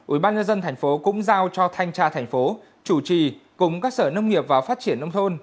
ubnd tp cũng giao cho thanh tra thành phố chủ trì cùng các sở nông nghiệp và phát triển nông thôn